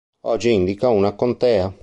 Oggi indica una contea.